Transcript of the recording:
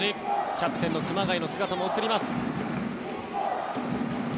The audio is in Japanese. キャプテンの熊谷の姿も映ります。